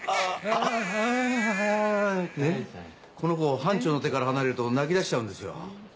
この子班長の手から離れると泣き出しちゃうんですよ。